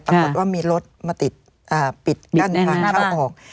ปรากฏว่ามีรถมาติดปิดกั้นทางเข้าออก